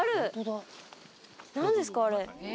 何ですかあれ。